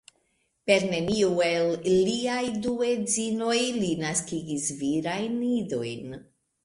Per neniu el liaj du edzinoj li naskigis virajn idojn.